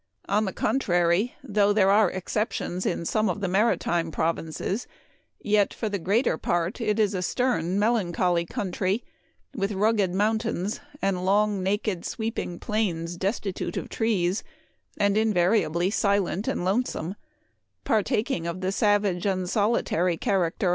On the contrary, though there are exceptions in some of the maritime provinces, yet for the greater part it is a stern, melancholy country, with rug ged mountains and long, naked, sweeping plains Me destitute of trees, and invariably silent and lone some, partaking of the savage and solitary char